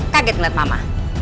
kaget gak mama